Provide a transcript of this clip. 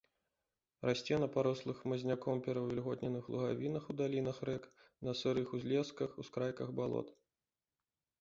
Расце на парослых хмызняком пераўвільготненых лугавінах у далінах рэк, на сырых узлесках, ускрайках балот.